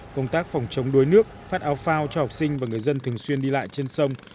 công tác phòng chống đuối nước phát áo phao cho học sinh và người dân thường xuyên đi lại trên sông